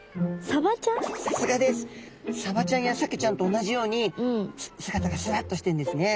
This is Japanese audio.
サバちゃんやサケちゃんと同じように姿がすらっとしてるんですね。